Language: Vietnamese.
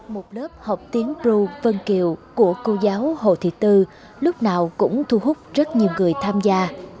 một lớp học tiếng ru vân kiều của cô giáo hồ thị tư lúc nào cũng thu hút rất nhiều người tham gia